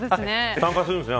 参加するんですね。